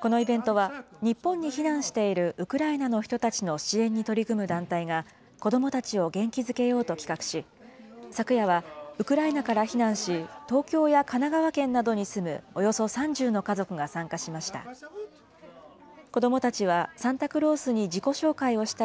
このイベントは、日本に避難しているウクライナの人たちの支援に取り組む団体が、子どもたちを元気づけようと企画し、昨夜は、ウクライナから避難し、東京や神奈川県などに住むおよそ３０の家族が参加しました。